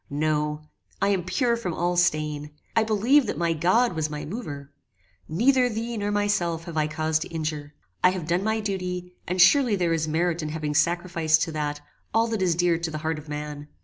No. I am pure from all stain. I believed that my God was my mover! "Neither thee nor myself have I cause to injure. I have done my duty, and surely there is merit in having sacrificed to that, all that is dear to the heart of man.